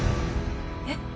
えっ？